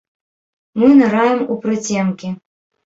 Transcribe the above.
Мы ныраем у прыцемкі.